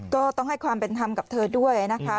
ก็ต้องให้ความเป็นธรรมกับเธอด้วยนะคะ